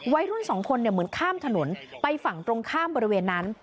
วัยรุ่นสองคนเหมือนข้ามถนนไปฝั่งตรงข้ามบริเวณนั้น